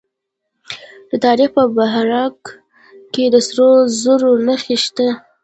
د تخار په بهارک کې د سرو زرو نښې شته.